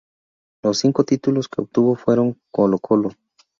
Los cinco títulos que obtuvo fueron con Colo-Colo.